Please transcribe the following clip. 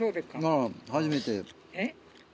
ああ初めて。